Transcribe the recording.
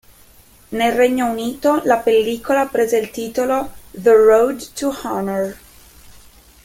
Nel Regno Unito, la pellicola prese il titolo "The Road to Honour"-